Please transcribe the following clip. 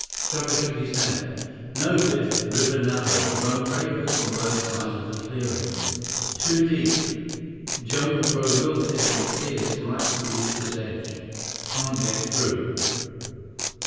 Chuba shook his head. "No, Biff. River narrow, run very quick on both sides of the clearing. Too deep. Jungle grow real thick and fierce right to water's edge. Can't get through."